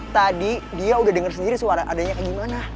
tadi dia udah dengar sendiri suara adanya kayak gimana